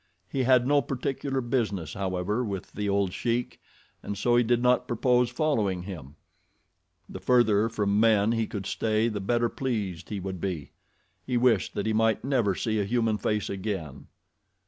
He had no particular business, however, with the old Sheik and so he did not propose following him—the further from men he could stay the better pleased he would be—he wished that he might never see a human face again.